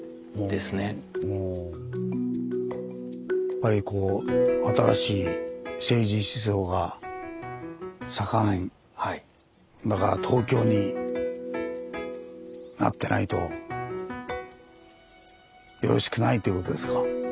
やっぱりこう新しい政治思想が盛んだから東京になってないとよろしくないということですか？